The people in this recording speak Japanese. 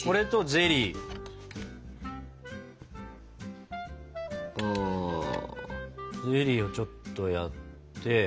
ゼリーをちょっとやって。